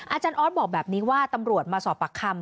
อาจารย์ออสบอกแบบนี้ว่าตำรวจมาสอบปากคำ